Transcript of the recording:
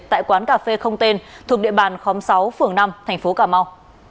tại quán cà phê không tên thuộc địa bàn sáu phường năm tp cà mau